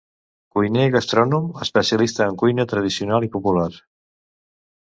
Cuiner i gastrònom, especialista en cuina tradicional i popular.